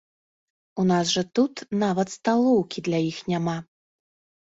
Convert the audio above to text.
У нас жа тут нават сталоўкі для іх няма.